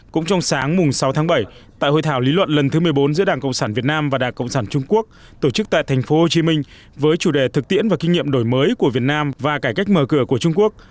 cũng trong sáng sáu tháng bảy tại hội thảo lý luận lần thứ một mươi bốn giữa đảng cộng sản việt nam và đảng cộng sản trung quốc tổ chức tại tp hcm với chủ đề thực tiễn và kinh nghiệm đổi mới của việt nam và cải cách mở cửa của trung quốc